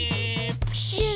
プシュー。